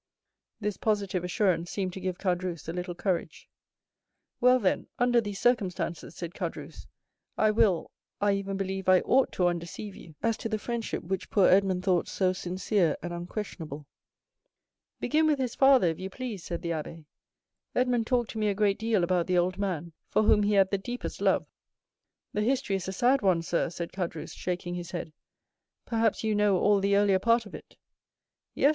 This positive assurance seemed to give Caderousse a little courage. "Well, then, under these circumstances," said Caderousse, "I will, I even believe I ought to undeceive you as to the friendship which poor Edmond thought so sincere and unquestionable." "Begin with his father, if you please." said the abbé; "Edmond talked to me a great deal about the old man for whom he had the deepest love." "The history is a sad one, sir," said Caderousse, shaking his head; "perhaps you know all the earlier part of it?" "Yes."